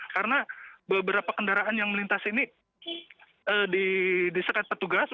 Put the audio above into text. karena beberapa kendaraan yang melintas ini disekat petugas